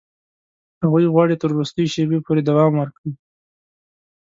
هغوی غواړي تر وروستي شېبې پورې دوام ورکړي.